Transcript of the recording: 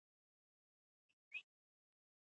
بس دا یو خوی مي د پښتنو دی